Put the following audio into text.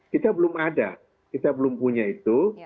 kita belum ada kita belum punya itu